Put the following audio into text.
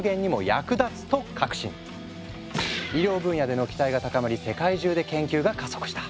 医療分野での期待が高まり世界中で研究が加速した。